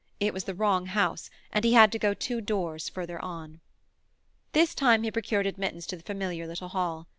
It was the wrong house, and he had to go two doors farther on. This time he procured admittance to the familiar little hall.